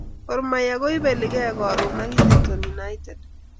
Gor mahia koibeli kee karun ak Egerton united